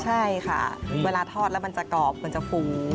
ใช่ค่ะเวลาทอดแล้วมันจะกรอบมันจะฟู